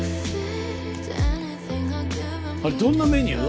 どんなメニュー？